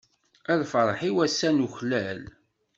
A lferḥ-iw ass-a nuklal.